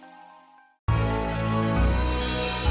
dadah hari ini renovasi unik lagi